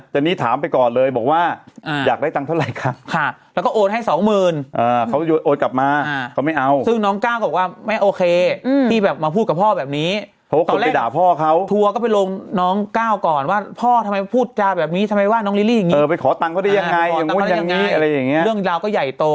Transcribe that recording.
หลวงพ่อหลวงพ่อช่วยขึ้นมาจากน้ำลึกหน่อย